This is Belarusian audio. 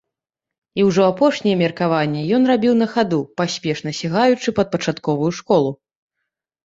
І ўжо апошнія меркаванні ён рабіў на хаду, паспешна сігаючы пад пачатковую школу.